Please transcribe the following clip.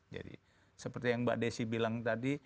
jadi seperti yang mbak desy bilang tadi